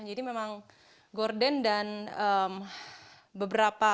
jadi memang gorden dan beberapa